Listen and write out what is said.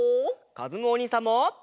かずむおにいさんも！